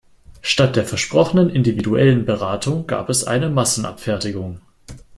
Statt der versprochenen individuellen Beratung gab es eine Massenabfertigung.